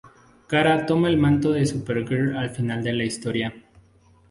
Kara toma el manto de Supergirl al final de la historia.